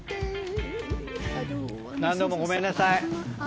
何度もごめんなさい。